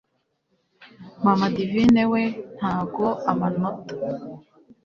Mama divine we ntago amanota